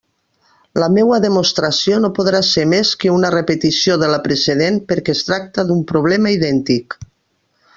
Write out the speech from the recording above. La meua demostració no podrà ser més que una repetició de la precedent, perquè es tracta d'un problema idèntic.